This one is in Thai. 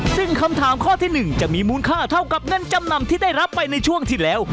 ซึ่งคำถามข้อที่๑จะมีมูลค่าเท่ากับเงินจำนำที่ได้รับไปในช่วงที่แล้ว